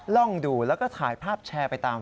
ลองดูแล้วก็ถ่ายภาพแชร์ไปตาม